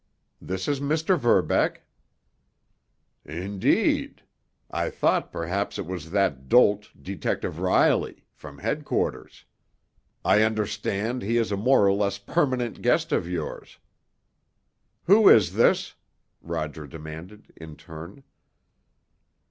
"This is Mr. Verbeck." "Indeed? I thought perhaps it was that dolt, Detective Riley, from headquarters. I understand he is a more or less permanent guest of yours." "Who is this?" Roger demanded in turn.